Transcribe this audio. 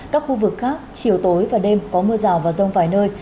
các khu vực khác chiều tối và đêm có mưa rào và rông vài nơi